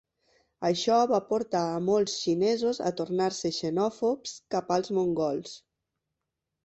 Això va portar a molts xinesos a tornar-se xenòfobs cap als mongols.